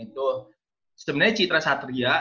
itu sebenernya citra satria